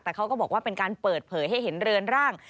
แต่เขาก็บอกว่าเป็นการเปิดเผยให้เห็นเรือนร่าง